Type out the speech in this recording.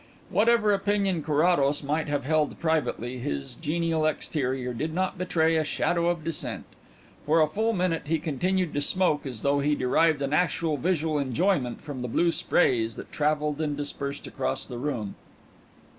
Whatever opinion Carrados might have held privately, his genial exterior did not betray a shadow of dissent. For a full minute he continued to smoke as though he derived an actual visual enjoyment from the blue sprays that travelled and dispersed across the room.